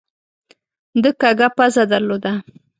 ده کږه پزه درلوده.